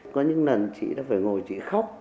có những lần chị đã phải ngồi chị khóc